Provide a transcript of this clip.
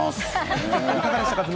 いかがでしたか？